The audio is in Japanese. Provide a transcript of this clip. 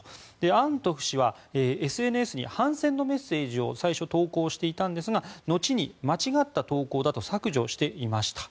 アントフ氏はＳＮＳに反戦のメッセージを最初、投稿していたんですが後に間違った投稿だと削除していました。